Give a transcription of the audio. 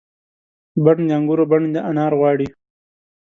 بڼ د انګور بڼ د انار غواړي